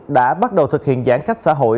đã bắt đầu thực hiện giãn cách xã hội